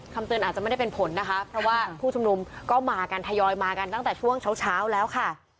เตือนอาจจะไม่ได้เป็นผลนะคะเพราะว่าผู้ชุมนุมก็มากันทยอยมากันตั้งแต่ช่วงเช้าแล้วค่ะ